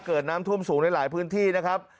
เกิดน้ำท่วมสูงในหลายพื้นที่นะครับ